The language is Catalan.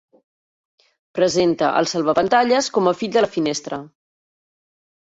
Presenta el salvapantalles com a fill de la finestra.